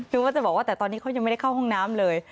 คือก็จะบอกว่าแต่ตอนนี้เขายังไม่ได้เข้าห้องน้ำเลย